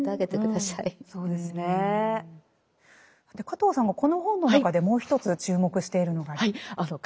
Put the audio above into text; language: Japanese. さて加藤さんがこの本の中でもう一つ注目しているのがありますね。